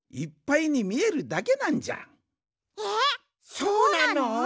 そうなの？